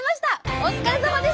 お疲れさまでした！